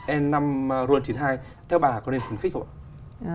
e năm ron chín mươi hai theo bà có nên khuyến khích không ạ